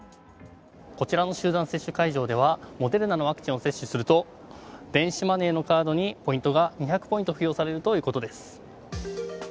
こちらの集団接種会場ではモデルナのワクチンを接種すると電子マネーのカードにポイントが２００ポイント付与されるということです。